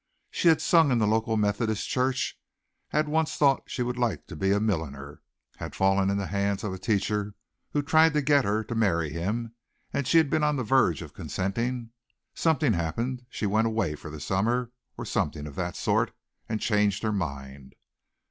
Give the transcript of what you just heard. She had sung in the local Methodist church, had once thought she would like to be a milliner, had fallen in the hands of a teacher who tried to get her to marry him and she had been on the verge of consenting. Something happened she went away for the summer, or something of that sort, and changed her mind.